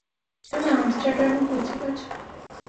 তুমি আমস্টারডামে পৌঁছে গেছ।